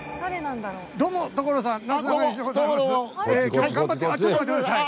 どうも所さん。